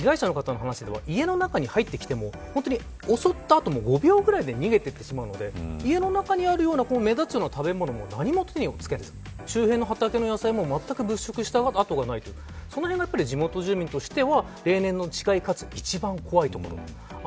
家の中に入ってきても襲った後も５秒ぐらいで逃げていってしまうので家の中にあるような目立つような食べ物も何も手をつけず周辺の畑の野菜もまったく物色したあとがないそのへんが、地元住民としては例年と違って一番怖いところ。